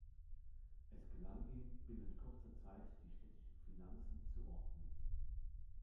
Es gelang ihm, binnen kurzer Zeit die städtischen Finanzen zu ordnen.